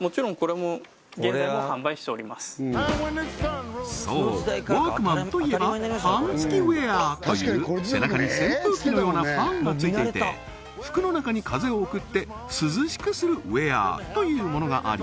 もちろんこれもそうワークマンといえばファン付きウェアという背中に扇風機のようなファンが付いていて服の中に風を送って涼しくするウェアというものがあり